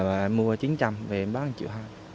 em mua chín trăm linh về em bán một triệu hai